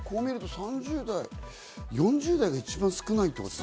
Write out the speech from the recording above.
３０代、４０代が一番少ないのか。